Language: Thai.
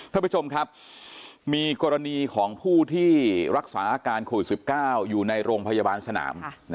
ท่านผู้ชมครับมีกรณีของผู้ที่รักษาอาการโควิด๑๙อยู่ในโรงพยาบาลสนาม